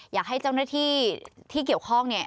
อยากให้เจ้าหน้าที่ที่เกี่ยวข้องเนี่ย